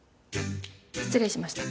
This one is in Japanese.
失礼しました。